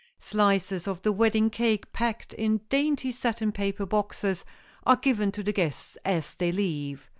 Slices of the wedding cake packed in dainty satin paper boxes are given to the guests as they leave.